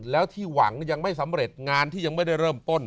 แล้วที่หวังยังไม่สำเร็จงานที่ยังไม่ได้เริ่มต้น